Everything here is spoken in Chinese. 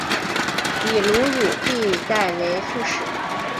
以卢汝弼代为副使。